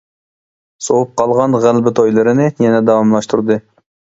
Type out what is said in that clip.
سوۋۇپ قالغان غەلىبە تويلىرىنى يەنە داۋاملاشتۇردى.